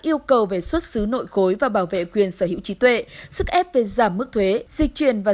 yêu cầu về xuất xứ nội khối và bảo vệ quyền sở hữu trí tuệ sức ép về giảm mức thuế dịch chuyển và